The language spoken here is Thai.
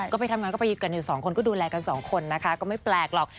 ก็ไปทำงานก็ไปกันอยู่สองคนก็ดูแลกันสองคนนะคะก็ไม่แปลกหรอก